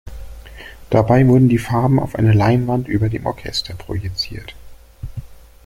Dabei wurden die Farben auf eine Leinwand über dem Orchester projiziert.